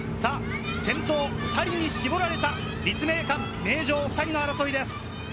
先頭２人に絞られた立命館、名城、２人の争いです。